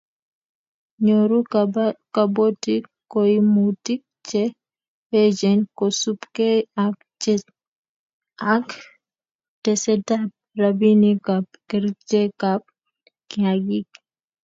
nyoru kabotik kaimutik che echen kosubgei ak tesetab robinikab kerchekab kiagik